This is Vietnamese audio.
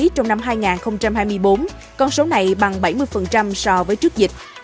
trong năm hai nghìn hai mươi bốn con số này bằng bảy mươi so với trước dịch